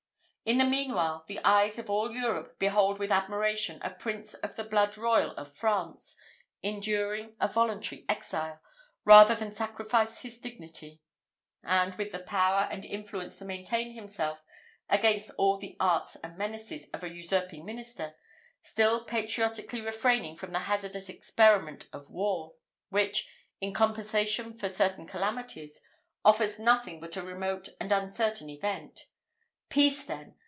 In the meanwhile, the eyes of all Europe behold with admiration a Prince of the blood royal of France enduring a voluntary exile, rather than sacrifice his dignity; and, with the power and influence to maintain himself against all the arts and menaces of an usurping minister, still patriotically refraining from the hazardous experiment of war, which, in compensation for certain calamities, offers nothing but a remote and uncertain event. Peace, then!